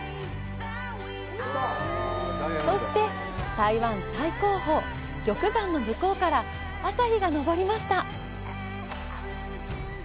そして、台湾最高峰、玉山の向こうから朝日が昇りました。